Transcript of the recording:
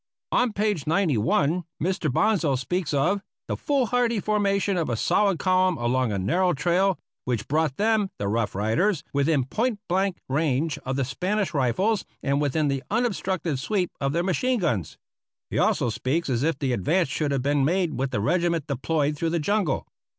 On page 91 Mr. Bonsal speaks of "The foolhardy formation of a solid column along a narrow trail, which brought them (the Rough Riders) within point blank range of the Spanish rifles and within the unobstructed sweep of their machine guns." He also speaks as if the advance should have been made with the regiment deployed through the jungle.